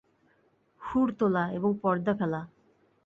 হুড় তোলা এবং পর্দা ফেলা।